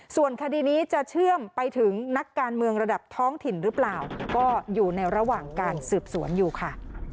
ส่วนคดีนี้จะเชื่อมไปถึงนักการเมืองระดับท้องถิ่นหรือเปล่าก็อยู่ในระหว่างการสืบสวนอยู่ค่ะ